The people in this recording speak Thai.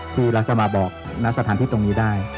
ที่รักษณะมาบอกนักสถานที่ตรงนี้ได้